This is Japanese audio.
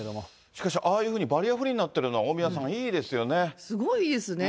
しかしああいうふうにバリアフリーになってるのは、大宮さん、すごいいいですね。